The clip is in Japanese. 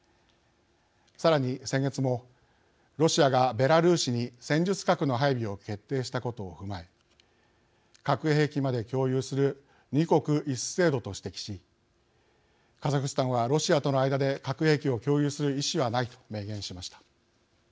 さらに先月も、ロシアがベラルーシに戦術核の配備を決定したことを踏まえ核兵器まで共有する２国１制度と指摘しカザフスタンはロシアとの間で核兵器を共有する意思はないと明言しました。